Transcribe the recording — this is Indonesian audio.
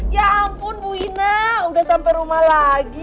ya ampun bu ina udah sampai rumah lagi